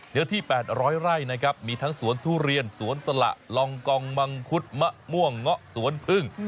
เนื้อที่๘๐๐ไร่นะครับมีทั้งสวนทุเรียนสวนสละลองกองมังคุดมะม่วงเงาะสวนพึ่ง